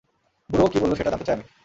বুড়ো কী বলল সেটা জানতে চাই আমি?